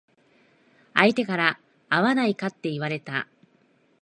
相手から会わないかって言われた。